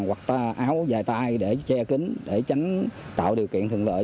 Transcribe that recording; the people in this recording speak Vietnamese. hoặc áo dài tay để che kính để tránh tạo điều kiện thuận lợi